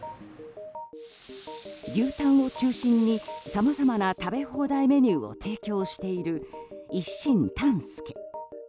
牛タンを中心にさまざまな食べ放題メニューを提供している一心たん助。